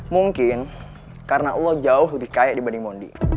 mungkin karena allah jauh lebih kaya dibanding mondi